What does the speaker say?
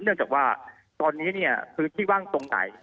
เนื่องจากว่าตอนนี้เนี่ยพื้นที่ว่างตรงไหน